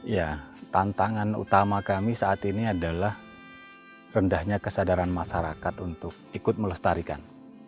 ya tantangan utama kami saat ini adalah rendahnya kesadaran masyarakat untuk ikut melestarikan